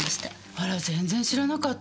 あら全然知らなかった。